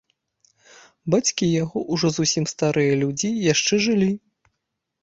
Бацькі яго, ужо зусім старыя людзі, яшчэ жылі.